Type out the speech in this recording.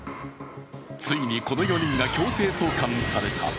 ついにこの４人が強制送還された。